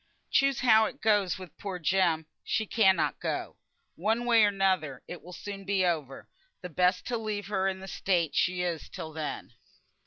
Choose how it goes wi' poor Jem, she cannot go. One way or another it will soon be over, and best to leave her in the state she is till then."